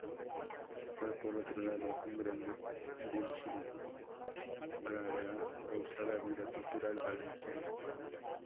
Fue, por otro lado, un gran revulsivo para la pausada vida cultural valenciana.